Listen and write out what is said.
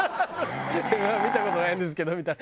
『Ｍ−１』見た事ないんですけどみたいな。